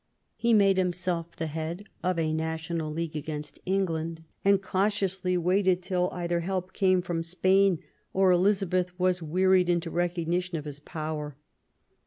He made himself the head of a national league against England, and cautiously waited till either help came from Spain or Elizabeth was wearied into recognition of his power.